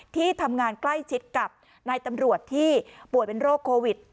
ที่ทำงานใกล้ชิดกับนายตำรวจที่ป่วยเป็นโรคโควิด